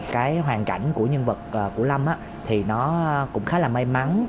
cái hoàn cảnh của nhân vật của lâm thì nó cũng khá là may mắn